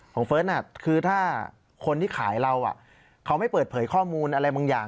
เฟิร์สคือถ้าคนที่ขายเราเขาไม่เปิดเผยข้อมูลอะไรบางอย่าง